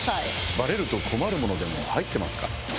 バレると困るもの入ってますか？